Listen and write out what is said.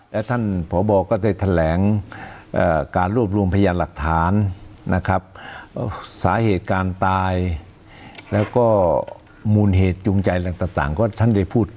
และท่าน